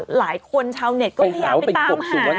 หลายคนชาวเน็ตก็พยายามไปตามหา